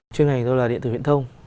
chuyên ngành tôi là điện tử viện thông